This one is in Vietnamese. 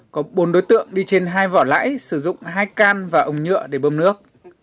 có bốn đối tượng đi trên hai vỏ lãi sử dụng hai can và ống nhựa để bơm nước